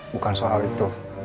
bukan soal itu